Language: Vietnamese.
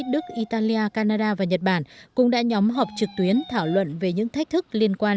đức italia canada và nhật bản cũng đã nhóm họp trực tuyến thảo luận về những thách thức liên quan